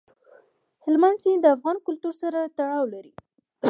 هلمند سیند د افغان کلتور سره تړاو لري.